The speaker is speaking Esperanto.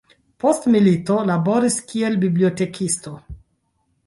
Post milito laboris kiel bibliotekisto.